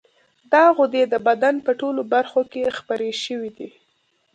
دا غدې د بدن په ټولو برخو کې خپرې شوې دي.